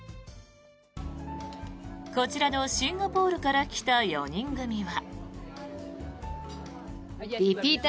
こちらのシンガポールから来た４人組は。